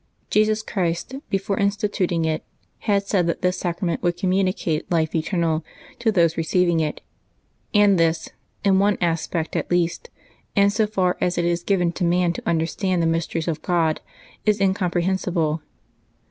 Jesus Christ, before instituting it, had said that this sacrament would communicate life eternal to those receiving it; and this, in one aspect at least, and so far as it is given to man to understand the mysteries of God, is comprehensible.